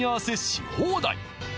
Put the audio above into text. し放題